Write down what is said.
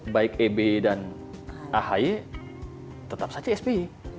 baik eb dan ahi tetap saja spi